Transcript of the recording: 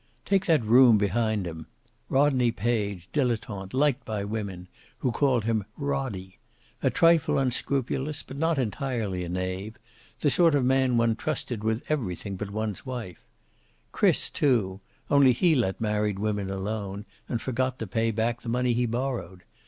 Take that room behind him: Rodney Page, dilettante, liked by women, who called him "Roddie," a trifle unscrupulous but not entirely a knave, the sort of man one trusted with everything but one's wife; Chris, too only he let married women alone, and forgot to pay back the money he borrowed.